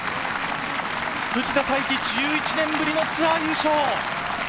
藤田さいき、１１年ぶりのツアー優勝！